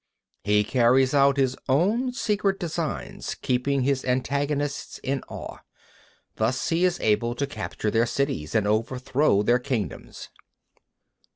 He carries out his own secret designs, keeping his antagonists in awe. Thus he is able to capture their cities and overthrow their kingdoms.